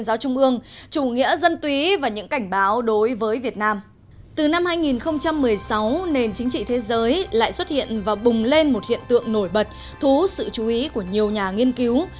xin chào và hẹn gặp lại